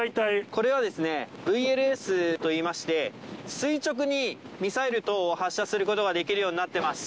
これはですね、ＶＬＳといいまして、垂直にミサイル等を発射することができるようになってます。